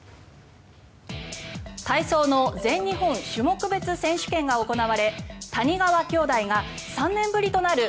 体操の全日本種目別選手権が行われ谷川兄弟が３年ぶりとなる